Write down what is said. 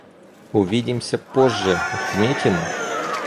Увидимся позже, отметим?